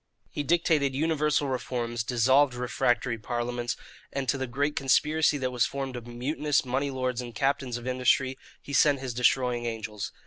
He dictated universal reforms, dissolved refractory parliaments, and to the great conspiracy that was formed of mutinous money lords and captains of industry he sent his destroying angels.